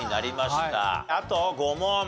あと５問。